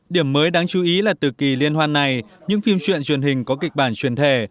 điểm mới đáng chú ý là từ kỳ liên hoan này những phim truyện truyền hình có kịch bản truyền thể